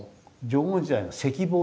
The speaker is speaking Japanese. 縄文時代の石棒。